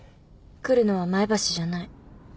来るのは前橋じゃない。